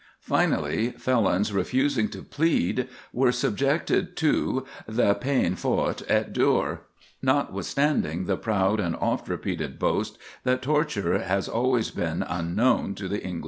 Finally, felons refusing to plead were subjected to the peine forte et dure, notwithstanding the proud and oft repeated boast that torture has always been unknown to the English law.